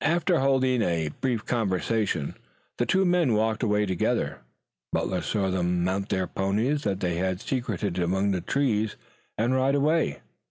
After holding a brief conversation the two men walked away together. Butler saw them mount their ponies that had been secreted in among the trees and ride away.